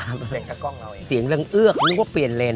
แกงกระก๊อซ์ของเราเองเสียงกลังเอือกมึงว่าเปลี่ยนเลน